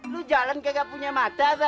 lo jalan kayak gak punya mata be